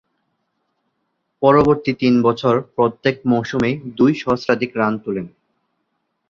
পরবর্তী তিন বছর প্রত্যেক মৌসুমেই দুই সহস্রাধিক রান তুলেন।